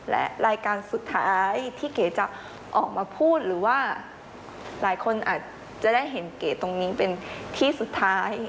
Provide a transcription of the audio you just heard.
และรายการสุดท้ายที่เก๋จะออกมาพูดหรือว่าหลายคนอาจจะได้เห็นเก๋ตรงนี้เป็นที่สุดท้าย